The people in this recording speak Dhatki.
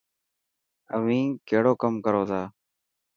اوهين ڪهڙو ڪم ڪرو ٿا؟